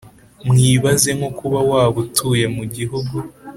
mwibaze nko kuba waba utuye mu gihugu,